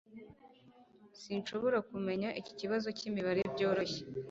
Sinshobora kumenya iki kibazo cyimibare byoroshye